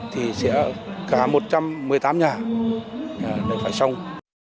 thì sẽ cả một trăm một mươi tám nhà đều phải xong